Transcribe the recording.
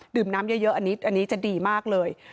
น้ำเยอะอันนี้จะดีมากเลย